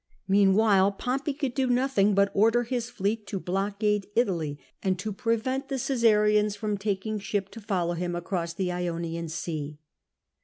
Meanwhile Pompey could do nothing but order his fleet to blockade Italy, and to prevent the Caisarians from taking ship to follow him across the Ionian Sea.